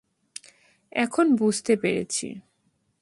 এখন বুঝতে পেরেছি।